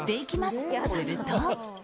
すると。